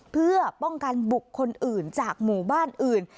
เพื่อป้องกันบุคคลอื่นจากหมู่บ้านอื่น